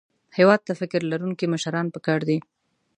هېواد ته فکر لرونکي مشران پکار دي